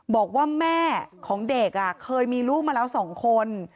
บอกว่าแม่ของเด็กเคยมีลูกมาแล้ว๒คน